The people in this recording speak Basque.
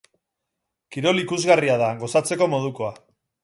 Kirol ikusgarria da, gozatzeko modukoa.